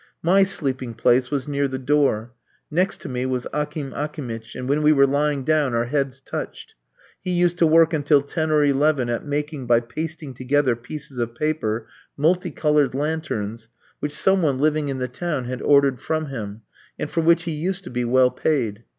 My sleeping place was near the door. Next to me was Akim Akimitch, and when we were lying down our heads touched. He used to work until ten or eleven at making, by pasting together pieces of paper, multicolour lanterns, which some one living in the town had ordered from him, and for which he used to be well paid.